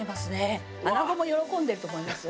穴子も喜んでると思いますよ。